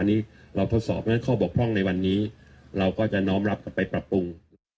อันนี้เราทดสอบข้อบกพร่องในวันนี้เราก็จะน้องรับกันไปปรับปรุง